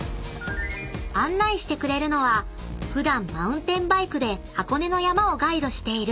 ［案内してくれるのは普段マウンテンバイクで箱根の山をガイドしている］